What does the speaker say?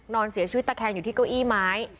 นอนเสียชีวิตตะแคงอยู่ที่เก้าอี้ไม้